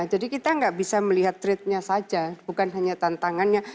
jadi kita tidak bisa melihat trait nya saja bukan hanya tantangannya